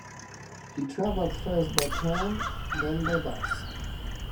He travelled first by tram, then by bus